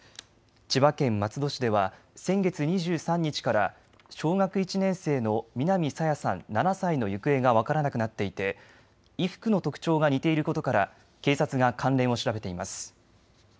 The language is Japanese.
千葉県松戸市では先月２３日から小学１年生の南朝芽さん、７歳の行方が分からなくなっていて衣服の特徴が似ていることから警察が関連を調べています。